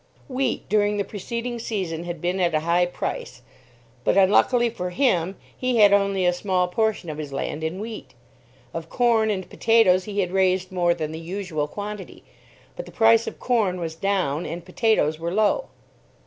Wheat, during the preceding season, had been at a high price; but, unluckily for him, he had only a small portion of his land in wheat. Of corn and potatoes he had raised more than the usual quantity; but the price of corn was down, and potatoes were low.